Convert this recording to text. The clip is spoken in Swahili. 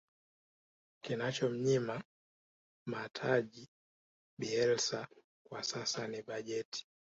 kinachomnyima mataji bielsa kwa sasa ni bajeti